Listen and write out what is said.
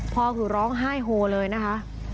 พ่อคือร้องไห้โฮเลยนะคะ